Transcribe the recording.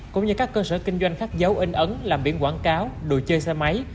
cũng như các cơ sở kinh doanh khác giấu in ấn làm biển quảng cáo đồ chơi xe máy